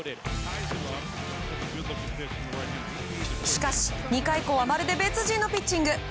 しかし２回以降はまるで別人のピッチング。